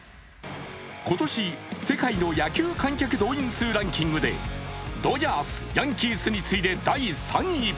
今年、世界の野球観客動員数ランキングでドジャース、ヤンキースに次いで第３位。